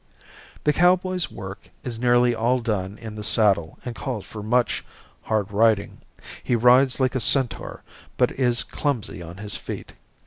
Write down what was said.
The cowboy's work is nearly all done in the saddle and calls for much hard riding. He rides like a Centaur, but is clumsy on his feet.